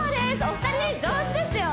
お二人上手ですよ